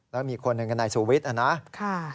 แล้วมีคนหนึ่งกับนายสูวิทย์นะครับ